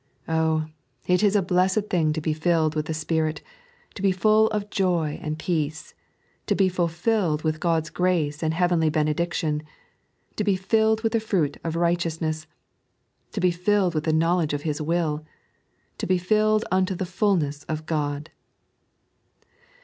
Oh, it is a blessed thing to be filled with the Spirit, to be full of joy and peace, to be fulfilled with God's grace and heavenly benediction, to be filled with the fruits of righteousness, to be filled with the knowledge of His will, to be filled unto the fulness of God.